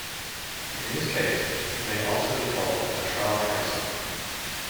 In this case, it may also be called a "trial transfer".